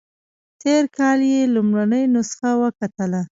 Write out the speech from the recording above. تېر کال یې لومړنۍ نسخه وکتله.